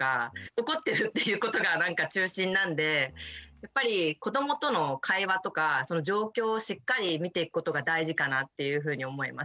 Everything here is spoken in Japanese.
怒ってるっていうことがなんか中心なんでやっぱり子どもとの会話とかその状況をしっかり見ていくことが大事かなっていうふうに思いました。